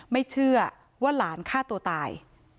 ไม่เชื่อว่าหลานฆ่าตัวตาย